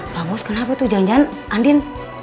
pak bos kenapa tuh janjian andin